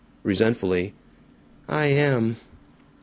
Resentfully, "I am!"